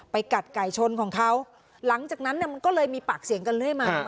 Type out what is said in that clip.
กัดไก่ชนของเขาหลังจากนั้นเนี่ยมันก็เลยมีปากเสียงกันเรื่อยมา